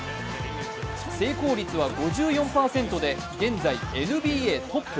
成功率は５４％で、現在ＮＢＡトップ。